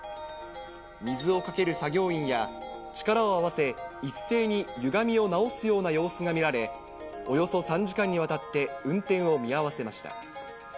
水をかける作業員や、力を合わせ、一斉にゆがみを直すような様子が見られ、およそ３時間にわたって運転を見合わせました。